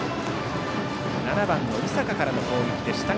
７番、井坂からの攻撃でした。